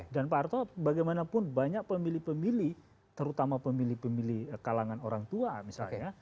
dan pak harto bagaimanapun banyak pemilih pemilih terutama pemilih pemilih kalangan orang tua misalnya